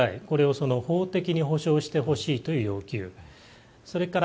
これを法的に保証してほしいという要求。